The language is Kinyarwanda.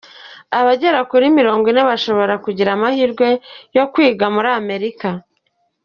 Abagera kuri mirongo ine bashobora kugira amahirwe yo kwiga muri america